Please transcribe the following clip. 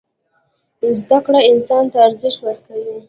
زدکړه انسان ته ارزښت ورکوي.